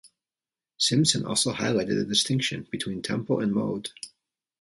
Simpson also highlighted the distinction between tempo and mode.